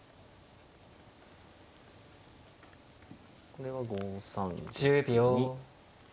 これは５三玉に。